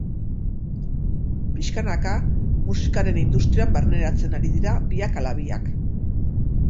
Pixkanaka musikaren industrian barneratzen ari dira biak ala biak.